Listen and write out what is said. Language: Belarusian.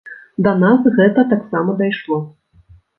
Да нас гэта таксама дайшло.